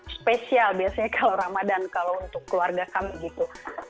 spesial biasanya kalau ramadan kalau untuk keluarga kami gitu